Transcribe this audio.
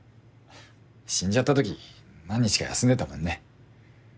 死んじゃった時何日か休んでたもんね。